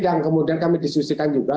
yang kemudian kami diskusikan juga